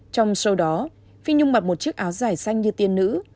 trong sau đó phi nhung mặc một chiếc áo dài xanh như tiên nữ